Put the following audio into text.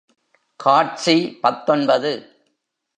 காட்சி பத்தொன்பது .